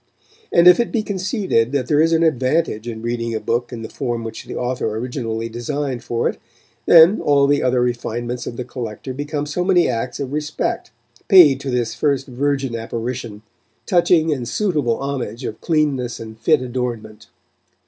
And if it be conceded that there is an advantage in reading a book in the form which the author originally designed for it, then all the other refinements of the collector become so many acts of respect paid to this first virgin apparition, touching and suitable homage of cleanness and fit adornment.